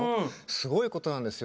すごいことなんですよ。